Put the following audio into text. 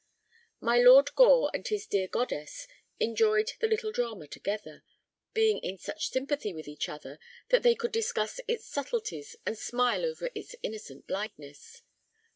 My Lord Gore and his dear Goddess enjoyed the little drama together, being in such sympathy with each other that they could discuss its subtleties and smile over its innocent blindness.